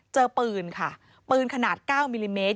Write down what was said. เจอปืนค่ะปืนขนาด๙มิลลิเมตร